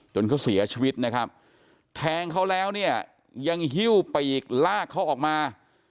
จนเขาเสียชีวิตนะครับแทงเขาแล้วเนี่ยยังฮิ้วปีกลากเขาออกมา